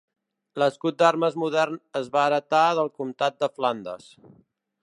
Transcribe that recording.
L'escut d'armes modern es va heretar del comtat de Flandes.